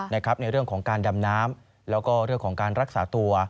ในเรื่องของการดำน้ำแล้วก็เรื่องของการรักษาตัว